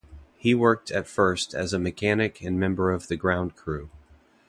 He worked at first as a mechanic and member of the ground crew.